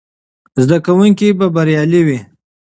زده کوونکي به بریالي وي.